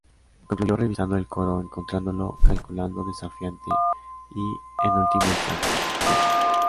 Concluyó revisando el coro, encontrándolo "calculado, desafiante y, en última instancia, hueco".